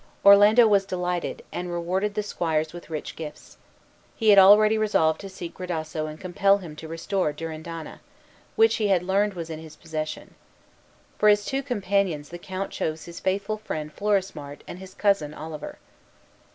Orlando was delighted, and rewarded the squires with rich gifts. He had already resolved to seek Gradasso and compel him to restore Durindana, which he had learned was in his possession. For his two companions the Count chose his faithful friend Florismart and his cousin Oliver.